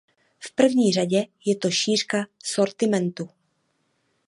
V první řadě je to šířka sortimentu.